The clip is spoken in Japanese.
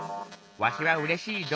「わしはうれしいぞ」。